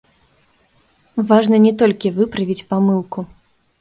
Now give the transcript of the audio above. Важна не толькі выправіць памылку.